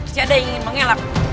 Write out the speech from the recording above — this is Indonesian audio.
tiada yang ingin mengelak